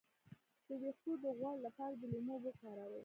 د ویښتو د غوړ لپاره د لیمو اوبه وکاروئ